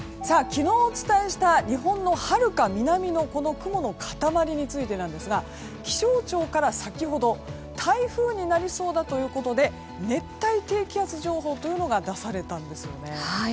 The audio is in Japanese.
昨日お伝えした日本のはるか南のこの雲の塊についてですが気象庁から先ほど台風になりそうだということで熱帯低気圧情報というのが出されたんですよね。